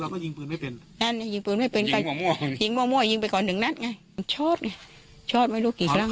คือเราก็ยิงปืนไม่เป็นยิงหม่อมั่วยิงไปก่อนหนึ่งนัดไงชอดไงชอดไม่รู้กี่ครั้ง